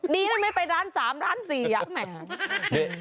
ดีไปล้านสามเหมือนร้านสี่